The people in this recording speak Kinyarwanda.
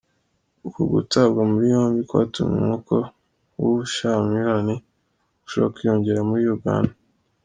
Uku gutabwa muri yombi kwatumye umwuka w'ubushyamirane urushaho kwiyongera muri Uganda.